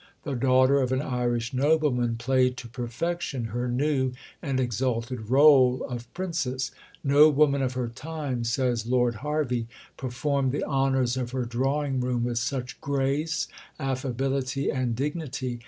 The daughter of an Irish nobleman played to perfection her new and exalted rôle of Princess. "No woman of her time," says Lord Hervey, "performed the honours of her drawing room with such grace, affability, and dignity."